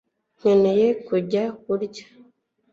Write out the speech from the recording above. nkeneye kujya kurya